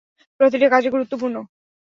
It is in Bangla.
প্রতিটা কাজই গুরুত্বপূর্ণ।